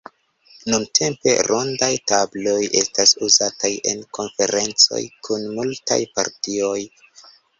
Nuntempe rondaj tabloj estas uzataj en konferencoj kun multaj partioj.